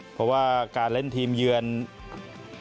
เพราะว่าการเล่นทีมเยื่อนต้องเล่นที่สนามกลาง